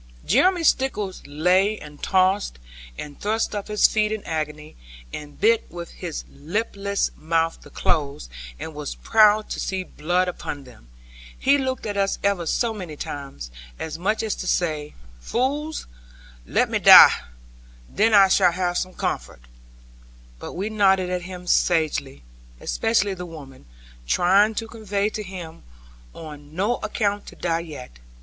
Jeremy Stickles lay and tossed, and thrust up his feet in agony, and bit with his lipless mouth the clothes, and was proud to see blood upon them. He looked at us ever so many times, as much as to say, 'Fools, let me die, then I shall have some comfort'; but we nodded at him sagely, especially the women, trying to convey to him, on no account to die yet.